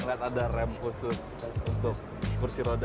lihat ada rem khusus untuk kursi roda